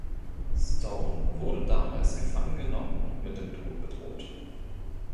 Stone wurde damals gefangen genommen und mit dem Tod bedroht.